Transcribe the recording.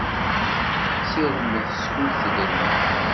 Ssirmet, skud teddrem!